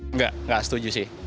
enggak enggak setuju sih